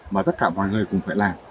mà tất cả mọi người cũng phải làm